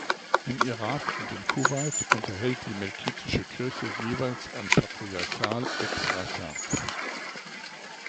Im Irak und in Kuwait unterhält die melkitische Kirche jeweils ein Patriarchal-Exarchat.